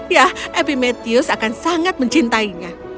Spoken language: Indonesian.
ya epimetheus akan sangat mencintainya